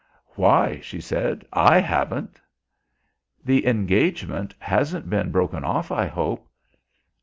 "Why?" she said. "I haven't." "The engagement hasn't been broken off, I hope."